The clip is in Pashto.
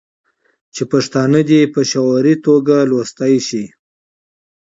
چې پښتانه دې په شعوري ټوګه لوستي شي.